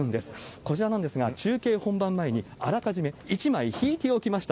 こちらなんですが、中継本番前にあらかじめ１枚引いておきました。